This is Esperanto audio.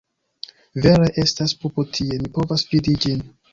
Vere estas pupo tie, mi povas vidi ĝin.